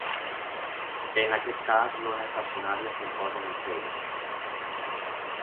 En aquest cas l'ona estacionària s'imposa en el feix.